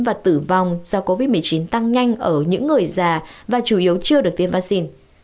và tử vong do covid một mươi chín tăng nhanh ở những người già và chủ yếu chưa được tiêm vaccine